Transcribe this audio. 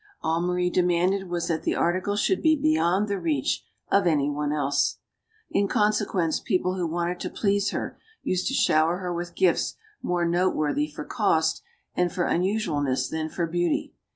All Marie demanded was that the article should be beyond the reach of any one else. In consequence, people who wanted to please her used to shower her with gifts more noteworthy for cost and for unusualness than for beauty.